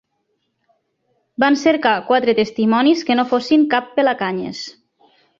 Van cercar quatre testimonis que no fossin cap pelacanyes